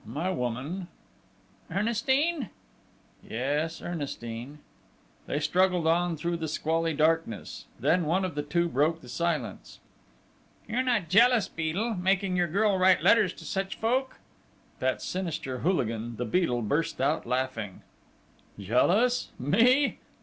"My woman...." "Ernestine?" "Yes. Ernestine." They struggled on through the squally darkness. Then one of the two broke the silence. "You're not jealous, Beadle, making your girl write letters to such folk?" That sinister hooligan, the Beadle, burst out laughing. "Jealous? Me?